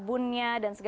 terus pakai hand sanitizer